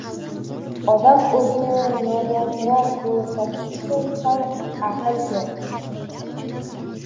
Odam o‘zini nodonroq ko‘rsatish uchun ham aql kerak.